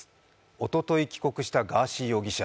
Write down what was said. おととい帰国したガーシー容疑者。